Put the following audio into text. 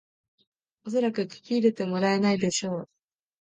おそらく聞き入れてもらえないでしょう